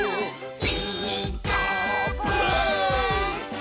「ピーカーブ！」